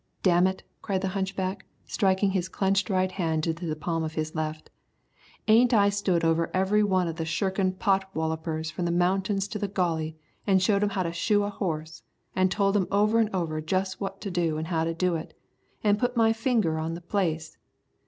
"Damn it," cried the hunchback, striking his clenched right hand into the palm of his left, "ain't I stood over every one of the shirkin' pot wallopers from the mountains to the Gauley an' showed him how to shoe a horse, an' told him over an' over just what to do an' how to do it, an' put my finger on the place?